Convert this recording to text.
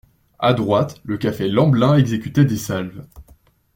A droite, le café Lemblin exécutait des salves.